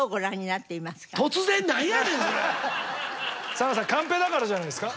さんまさんカンペだからじゃないですか？